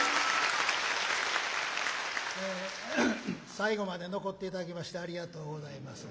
最後まで残っていただきましてありがとうございます。